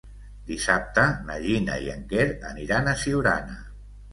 Dissabte na Gina i en Quer aniran a Siurana.